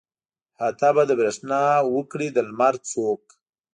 احاطه به د برېښنا وکړي د لمر څوک.